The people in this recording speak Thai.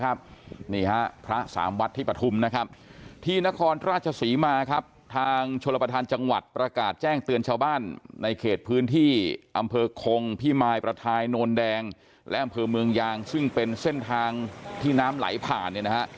แบ่งแบ่งแบ่งแบ่งแบ่งแบ่งแบ่งแบ่งแบ่งแบ่งแบ่งแบ่งแบ่งแบ่งแบ่งแบ่งแบ่งแบ่งแบ่ง